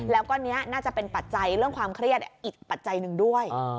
แล้วก็นี้น่าจะเป็นปัจจัยเรื่องความเครียดอีกปัจจัยหนึ่งด้วย